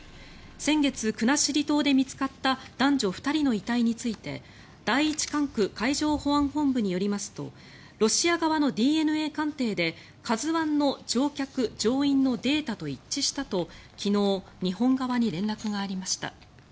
先月、国後島で見つかった男女２人の遺体について第一管区海上保安本部によりますとロシア側のＤＮＡ鑑定で「ＫＡＺＵ１」の乗客・乗員のデータと一致したと昨日、日本側に連絡がありました。